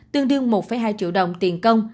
tương đương một hai triệu